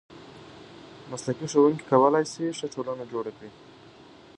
مسلکي ښوونکي کولای سي ښه ټولنه جوړه کړي.